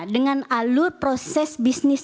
dengan alur proses bisnis